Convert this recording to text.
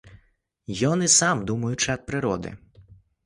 Ён і сам думаючы ад прыроды.